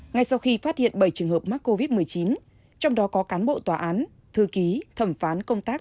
ngay sau khi phát hiện bảy trường hợp mắc covid một mươi chín trong đó có cán bộ tòa án thư ký thẩm phán công tác